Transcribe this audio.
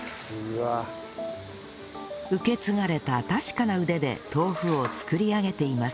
受け継がれた確かな腕で豆腐を作り上げています